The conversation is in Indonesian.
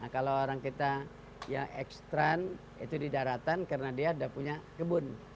kalau orang kita yang ekstran itu di daratan karena dia sudah punya kebun